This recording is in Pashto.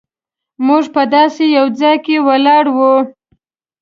موږ په داسې یو ځای کې ولاړ وو.